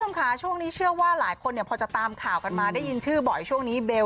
คุณผู้ชมค่ะช่วงนี้เชื่อว่าหลายคนเนี่ยพอจะตามข่าวกันมาได้ยินชื่อบ่อยช่วงนี้เบล